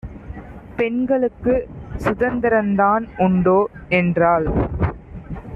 பெண்களுக்குச் சுதந்தரந்தான் உண்டோ? என்றாள்.